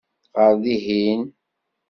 Ɣer dihin!